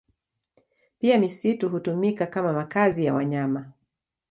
Pia misitu hutumika kama makazi ya wanyama